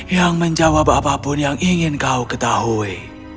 yang menjawab apapun yang ingin kau ketahui